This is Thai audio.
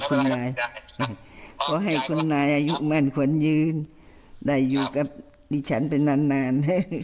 เพราะให้คุณนายอยู่ทั้งควรได้อยู่กับนายไปนาน